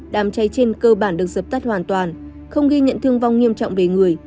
đám cháy trên cơ bản được dập tắt hoàn toàn không ghi nhận thương vong nghiêm trọng về người